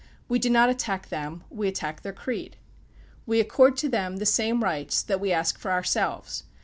We do not attack them; we attack their creed. We accord to them the same rights that we ask for ourselves.